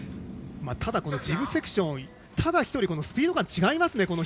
ただ、ジブセクションでただ１人、スピード感違いますね